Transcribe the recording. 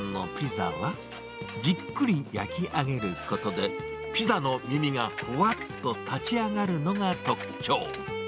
さやかさんのピザは、じっくり焼き上げることで、ピザの耳がふわっと立ち上がるのが特徴。